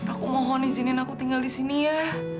aku mohon izinin aku tinggal di sini ya